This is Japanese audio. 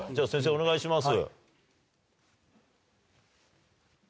お願いします。